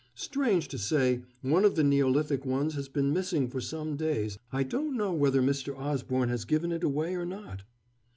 Strange to say, one of the Neolithic ones has been missing for some days I don't know whether Mr. Osborne has given it away or not?"